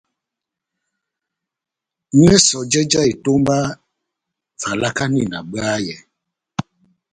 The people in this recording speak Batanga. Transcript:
Nywɛ sɔjɛ já etomba, valakani na bwayɛ.